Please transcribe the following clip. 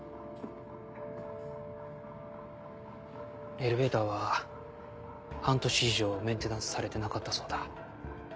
エレベーターは半年以上メンテナンスされてなかったそうだ。